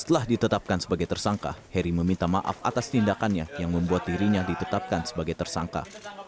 setelah ditetapkan sebagai tersangka heri meminta maaf atas tindakannya yang membuat dirinya ditetapkan sebagai tersangka